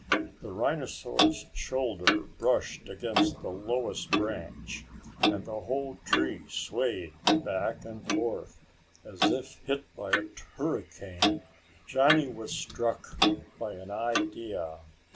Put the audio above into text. The rhinosaur's shoulder brushed against the lowest branch and the whole tree swayed back and forth as if hit by a hurricane. Johnny was struck by an idea.